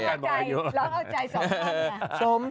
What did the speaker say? เหลือเอาใจสองครั้ง